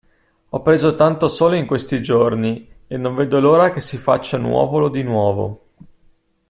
Ho preso tanto sole in questi giorni e non vedo l'ora che si faccia nuovolo di nuovo!